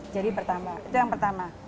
jadi itu yang pertama